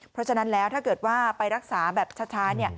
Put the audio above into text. เพราะฉะนั้นแล้วถ้าเกิดว่าไปรักษาแบบช้า